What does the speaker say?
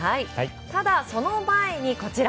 ただ、その前にこちら。